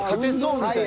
みたいな。